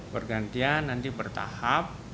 pergantian nanti bertahap